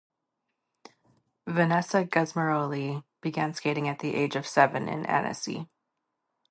Vanessa Gusmeroli began skating at age seven in Annecy.